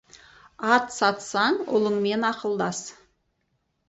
Ат сатсаң, ұлыңмен ақылдас.